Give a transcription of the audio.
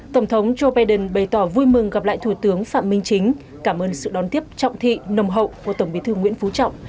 tổng thống joe biden bày tỏ vui mừng gặp lại thủ tướng phạm minh chính cảm ơn sự đón tiếp trọng thị nồng hậu của tổng bí thư nguyễn phú trọng